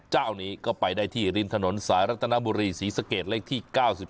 เจ้านี้ก็ไปได้ที่ริมถนนสายรัตนบุรีศรีสะเกดเลขที่๙๒